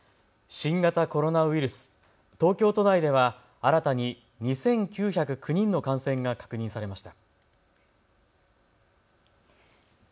新型コロナウイルス、東京都内では新たに２９０９人の感染が確認されました。